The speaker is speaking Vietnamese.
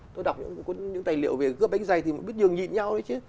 tôi đọc những tài liệu về cướp bánh dây thì cũng biết nhường nhịn nhau đấy chứ